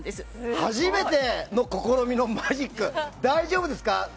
初めての試みのマジック大丈夫ですか。